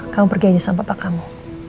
kamu pergi aja sama papa kamu